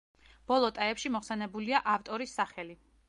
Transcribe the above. ბოლო ტაეპში მოხსენებულია ავტორის სახელი.